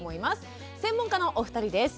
専門家のお二人です。